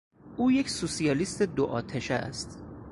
او یک سوسیالیست دو آتشه است.